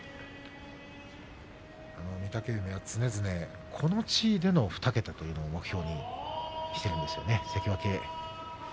御嶽海は常々この地位での２桁を目標にしているんですよね。